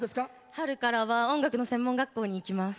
春からは音楽の専門学校に行きます。